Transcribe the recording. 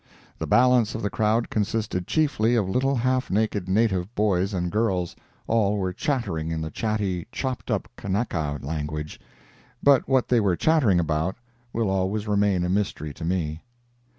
The balance of the crowd consisted chiefly of little half naked native boys and girls. All were chattering in the catchy, chopped up Kanaka language; but what they were chattering about will always remain a mystery to me.